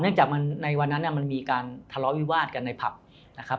เนื่องจากวันนั้นมันมีการทะเลาะวิวาสกันในพรรพ